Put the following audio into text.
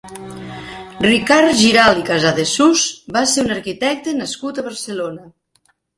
Ricard Giralt i Casadesús va ser un arquitecte nascut a Barcelona.